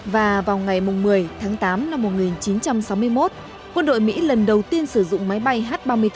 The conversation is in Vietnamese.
và vào ngày một mươi tháng tám năm một nghìn chín trăm sáu mươi một quân đội mỹ lần đầu tiên sử dụng máy bay h ba mươi bốn